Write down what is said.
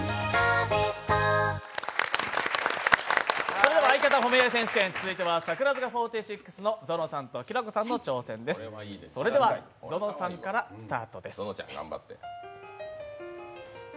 それでは、相方褒め合い選手権続いては櫻坂４６のゾノさんときらこさんの挑戦です、それではゾノさんからスタートです。